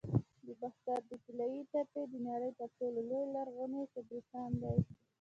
د باختر د طلایی تپې د نړۍ تر ټولو لوی لرغوني قبرستان دی